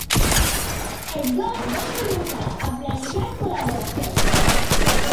Els dos van començar a planejar col·laboracions.